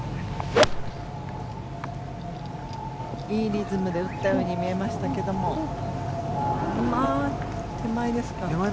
いいリズムで打ったように見えましたけども手前ですかね。